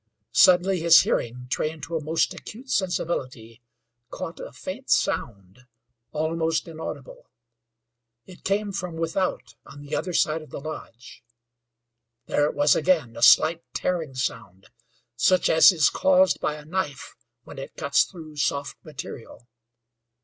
Suddenly his hearing, trained to a most acute sensibility, caught a faint sound, almost inaudible. It came from without on the other side of the lodge. There it was again, a slight tearing sound, such as is caused by a knife when it cuts through soft material.